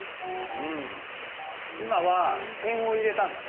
うん今は点を入れたんだね。